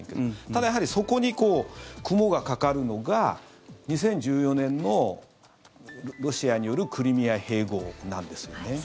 ただやはりそこに雲がかかるのが２０１４年のロシアによるクリミア併合なんですよね。